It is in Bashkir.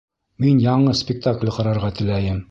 Мин яңы спектакль ҡарарға теләйем